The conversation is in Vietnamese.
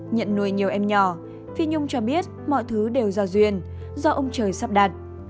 nhận nuôi nhiều em nhỏ phi nhung cho biết mọi thứ đều do duyên do ông trời sắp đặt